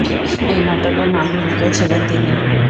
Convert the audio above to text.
এই নাটকে নামভূমিকায় ছিলেন তিনি।